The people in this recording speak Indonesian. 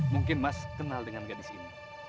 mungkin mas kenal dengan gadis ini